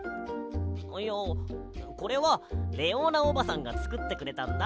いやこれはレオーナおばさんがつくってくれたんだ。